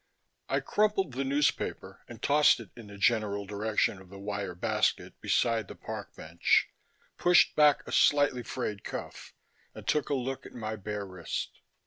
_ I crumpled the newspaper and tossed it in the general direction of the wire basket beside the park bench, pushed back a slightly frayed cuff, and took a look at my bare wrist.